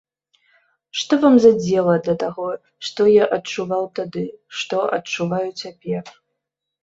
Што вам за дзела да таго, што я адчуваў тады, што адчуваю цяпер?